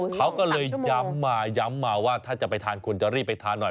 เขาก็เลยย้ำมาย้ำมาว่าถ้าจะไปทานควรจะรีบไปทานหน่อย